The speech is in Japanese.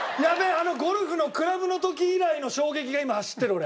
あのゴルフのクラブの時以来の衝撃が今走ってる俺。